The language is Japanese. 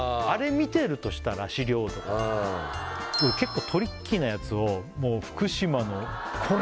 見てるとしたら資料とかで結構トリッキーなやつをもう福島のこれ！